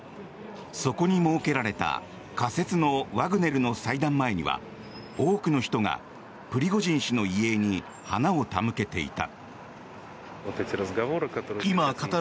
そこに設けられた仮設のワグネルの祭壇前には多くの人がプリゴジン氏の遺影に花を手向けていた。